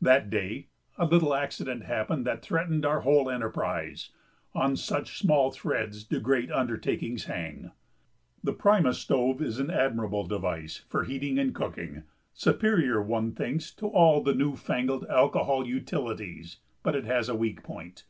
That day a little accident happened that threatened our whole enterprise on such small threads do great undertakings hang. The primus stove is an admirable device for heating and cooking superior, one thinks, to all the newfangled "alcohol utilities" but it has a weak point.